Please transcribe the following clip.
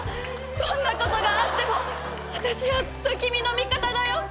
どんなことがあっても私はずっと君の味方だよ。